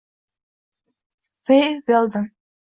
Fey Veldon